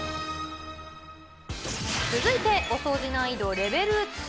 続いて、お掃除難易度レベル２。